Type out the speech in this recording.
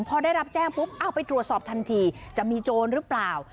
พอได้รับแจ้งปุ๊บเอาไปตรวจสอบทันทีจะมีโจรหรือเปล่า